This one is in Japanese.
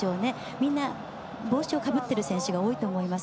みんな帽子をかぶってる選手が多いと思います。